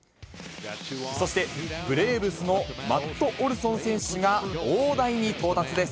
そして、ブレーブスのマット・オルソン選手が、大台に到達です。